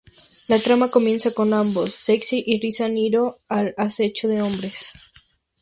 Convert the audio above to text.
La trama comienza con ambos, Sexi y Riza Niro al acecho de hombres.